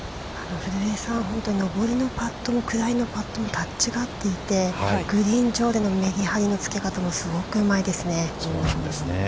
◆古江さん、上りのパットも、下りのパットもタッチが合っていて、グリーン上でのめり張りのつけ方もすごくうまいですね。